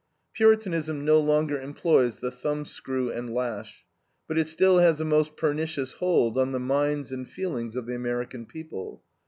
Puritanism no longer employs the thumbscrew and lash; but it still has a most pernicious hold on the minds and feelings of the American people.